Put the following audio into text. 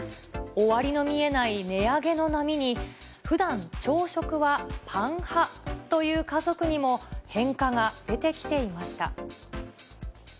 終わりの見えない値上げの波に、ふだん朝食はパン派という家族にも変化が出てきていました。